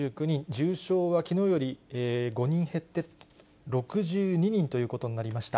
重症はきのうより５人減って６２人ということになりました。